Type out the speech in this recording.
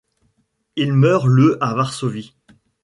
Il meurt le à Varsovie.